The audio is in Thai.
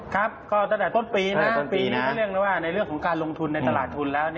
ครับก็ตั้งแต่ต้นปีนะต้นปีนี้ก็เรียกได้ว่าในเรื่องของการลงทุนในตลาดทุนแล้ว